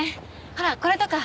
ほらこれとか。